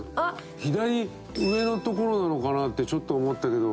左上の所なのかなってちょっと思ったけど。